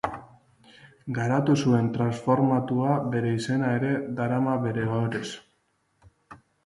Garatu zuen transformatua bere izena ere darama bere ohorez.